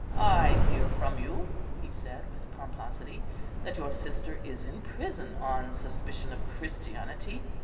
"I hear from you," he said with pomposity, "that your sister is in prison on suspicion of Christianity.